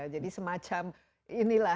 jadi semacam ini lah